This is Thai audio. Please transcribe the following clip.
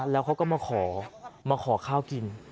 แล้วเขาก็มาขอมาขอข้าวกิน